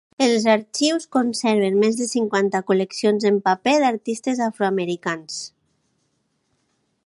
Els arxius conserven més de cinquanta col·leccions en paper d'artistes afroamericans.